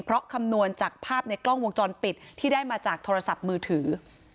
เพราะคำนวณจากภาพในกล้องวงจรปิดที่ได้มาจากโทรศัพท์มือถือ